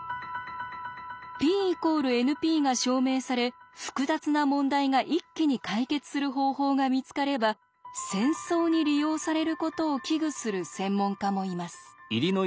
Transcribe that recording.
Ｐ＝ＮＰが証明され複雑な問題が一気に解決する方法が見つかれば戦争に利用されることを危惧する専門家もいます。